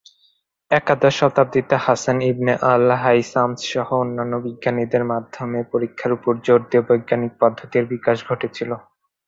একাদশ শতাব্দীতে Hasan ibn আল-হাইসামসহ অন্যান্য বিজ্ঞানীদের মাধ্যমে পরীক্ষার উপর জোর দিয়ে বৈজ্ঞানিক পদ্ধতির বিকাশ ঘটেছিল।